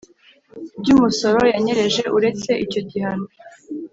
by umusoro yanyereje Uretse icyo gihano